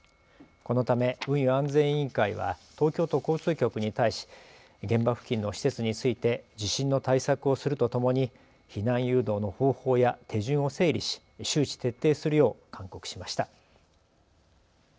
このため運輸安全委員会は東京都交通局に対し現場付近の施設について地震の対策をするとともに避難誘導の方法や手順を整理し周知徹底するよう勧告しました。